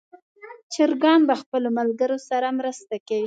چرګان د خپلو ملګرو سره مرسته کوي.